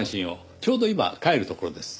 ちょうど今帰るところです。